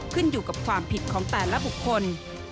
ขึ้นอยู่กับความผิดของแต่ละบุคคล